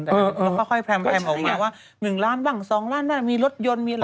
แล้วค่อยแพรมออกมาว่า๑ล้านบ้าง๒ล้านบ้างมีรถยนต์มีอะไร